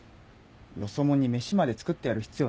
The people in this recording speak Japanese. よそもんに飯まで作ってやる必要